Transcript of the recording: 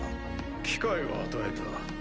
機会は与えた。